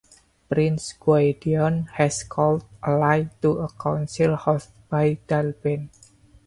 Prince Gwydion has called allies to a council hosted by Dallben.